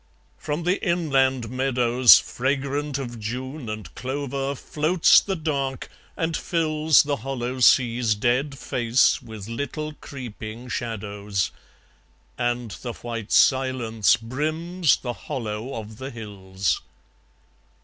... From the inland meadows, Fragrant of June and clover, floats the dark, and fills The hollow sea's dead face with little creeping shadows, And the white silence brims the hollow of the hills.